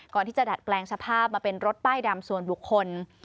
ที่จะดัดแปลงสภาพมาเป็นรถป้ายดำส่วนบุคคล